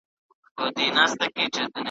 د اجل د ساقي ږغ ژوندون ته دام وو .